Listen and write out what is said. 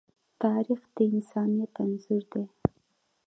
تاریخ د انسانیت انځور دی.